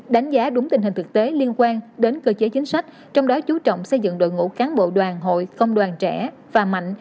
đánh giá đúng tình hình thực tế liên quan đến cơ chế chính sách trong đó chú trọng xây dựng đội ngũ cán bộ đoàn hội công đoàn trẻ và mạnh